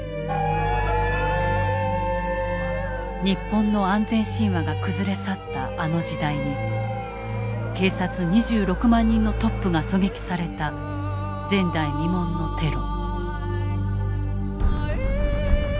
日本の安全神話が崩れ去ったあの時代に警察２６万人のトップが狙撃された前代未聞のテロ。